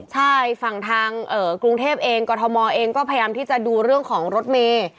ใช่ฝั่งทางกรุงเทพเองกรทมเองก็พยายามที่จะดูเรื่องของรถเมย์